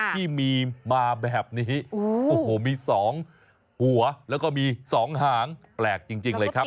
ที่มีมาแบบนี้โอ้โหมี๒หัวแล้วก็มี๒หางแปลกจริงเลยครับ